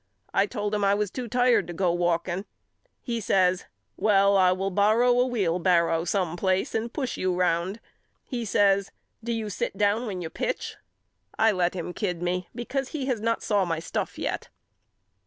I told him I was too tired to go walking. He says Well I will borrow a wheel barrow some place and push you round. He says Do you sit down when you pitch? I let him kid me because he has not saw my stuff yet.